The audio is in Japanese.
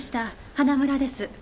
花村です。